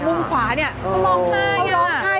มุมขวานี่ต้องร้องไห้